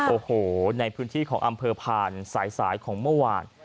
โอ้โหในพื้นที่ของอำเภอผ่านสายของเมื่อวาน